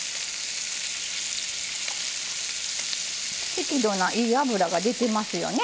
適度ないい脂が出てますよね。